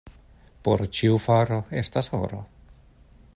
Por ĉiu faro estas horo.